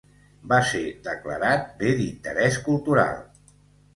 Va ser declarat Bé d'Interès Cultural.